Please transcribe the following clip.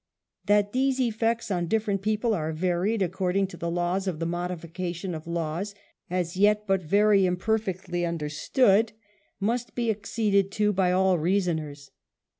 That these effects on different people are varied according to the laws of the modification of laws, as yet but very imperfectly understood must be acceded to by all reasoners.